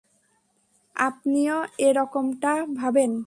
আপনিও এরকমটা ভাবেন?